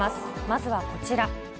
まずはこちら。